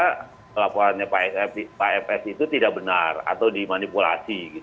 karena laporannya pak fs itu tidak benar atau dimanipulasi